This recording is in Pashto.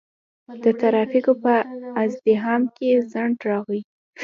د ترافیکو په ازدحام کې ځنډ راغی.